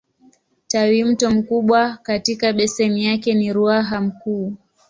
Tawimto mkubwa katika beseni yake ni Ruaha Mkuu.